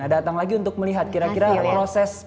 datang lagi untuk melihat kira kira proses